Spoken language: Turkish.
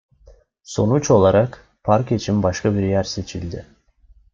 Sonuç olarak, park için başka bir yer seçildi.